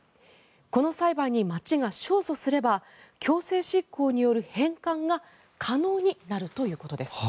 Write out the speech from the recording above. この裁判に町が勝訴すれば強制執行による返還が可能になるということです。